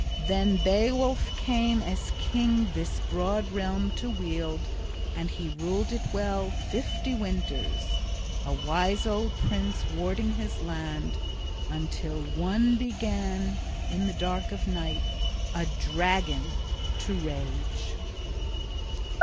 Then Beowulf came as king this broad realm to wield; and he ruled it well fifty winters, {29d} a wise old prince, warding his land, until One began in the dark of night, a Dragon, to rage.